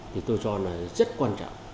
thì tôi cho là rất quan trọng